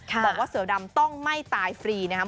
บอกว่าเสือดำต้องไม่ตายฟรีนะครับ